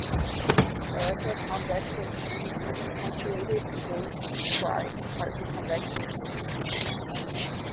Elytra convex with punctuated and grooved striae and slightly convex interstices.